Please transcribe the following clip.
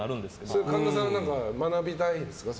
それ、神田さん何か学びたいですか？